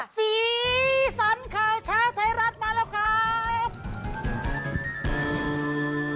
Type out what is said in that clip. สีสันข่าวเช้าไทยรัฐมาแล้วครับ